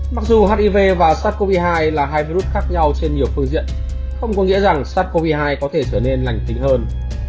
mặc dù hiv và sars cov hai là hai virus khác nhau trên nhiều phương diện không có nghĩa rằng sars cov hai có thể trở nên lành tính hơn